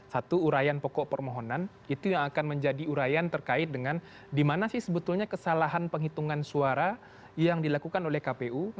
satu urayan pokok permohonan itu yang akan menjadi urayan terkait dengan di mana sih sebetulnya kesalahan penghitungan suara yang dilakukan oleh kpu